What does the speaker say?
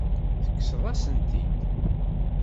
Tekkseḍ-asen-t-id.